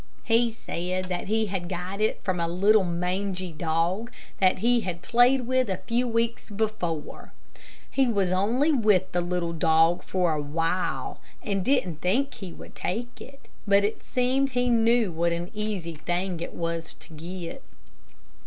He said that he had got it from a little, mangy dog, that he had played with a few weeks before. He was only with the dog a little while, and didn't think he would take it, but it seemed he knew what an easy thing it was to get.